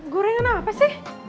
gorengan apa sih